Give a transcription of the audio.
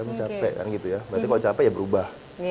berarti kalau capek ya berubah